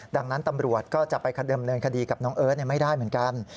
ดังนั้นตำรวจก็จะไปเดิมเนินคดีกับน้องเอิร์ทไม่ได้เหมือนกัน